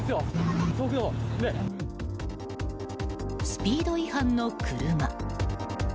スピード違反の車。